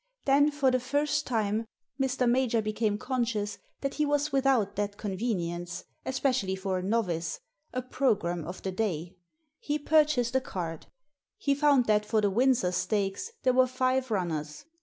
Then, for the first time, Mr. Major became conscious that he was without that convenience — especially for a novice — a programme of the day. He purchased a card. He found that for the Windsor Stakes there were five runners.